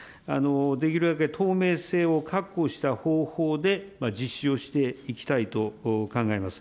できるだけ透明性を確保した方法で実施をしていきたいと考えます。